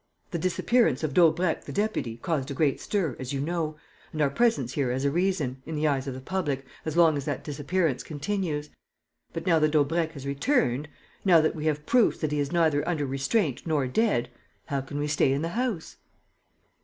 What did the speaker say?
The disappearance of Daubrecq the deputy caused a great stir, as you know, and our presence here has a reason, in the eyes of the public, as long as that disappearance continues. But, now that Daubrecq has returned, now that we have proofs that he is neither under restraint nor dead, how can we stay in the house?"